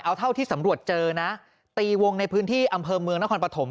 เอาเท่าที่สำรวจเจอนะตีวงในพื้นที่อำเภอเมืองนครปฐม